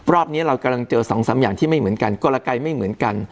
รอบนี้เรากำลังเจอสองสามอย่างที่ไม่เหมือนกันกลไกไม่เหมือนกัน